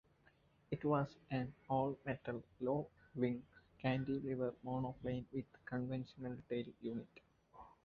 It was an all-metal low-wing cantilever monoplane with a conventional tail unit.